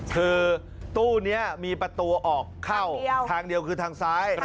คือตู้นี้มีประตูออกเข้าทางเดียวคือทางซ้าย